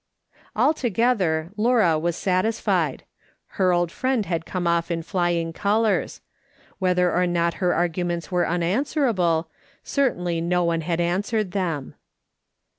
Altogether, Laura was satisfied. Her old friend had come off in flying colours ; whether or not her arguments were unanswerable, certainly no one had answered them.